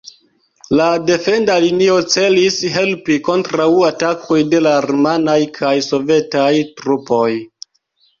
La defenda linio celis helpi kontraŭ atakoj de la rumanaj kaj sovetaj trupoj.